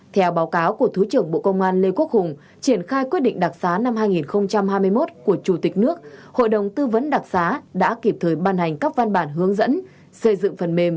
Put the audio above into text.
theo báo cáo của thứ trưởng bộ công an lê quốc hùng triển khai quyết định đặc xá năm hai nghìn hai mươi một của chủ tịch nước hội đồng tư vấn đặc xá đã kịp thời ban hành các văn bản hướng dẫn xây dựng phần mềm